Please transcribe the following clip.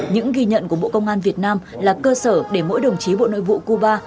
những ghi nhận của bộ công an việt nam là cơ sở để mỗi đồng chí bộ nội vụ cuba